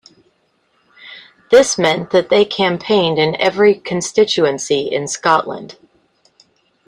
This meant that they campaigned in every constituency in Scotland.